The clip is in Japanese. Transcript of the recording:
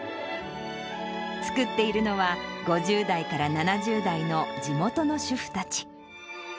作っているのは、５０代から７０代の地元の主婦たち。